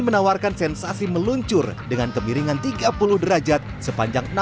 menawarkan sensasi meluncur dengan kemiringan tiga puluh derajat sepanjang enam m seru ya